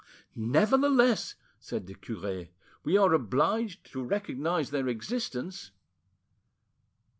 "Nevertheless," said the cure, "we are obliged to recognise their existence."